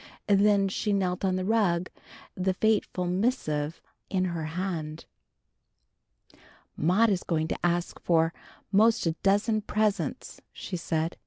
Then she knelt on the rug, the fateful missive in her hand. "Maudie is going to ask for 'most a dozen presents," she said.